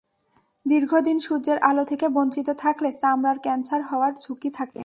দীর্ঘ দিন সূর্যের আলো থেকে বঞ্চিত থাকলে চামড়ার ক্যানসার হওয়ার ঝুঁকি থাকে।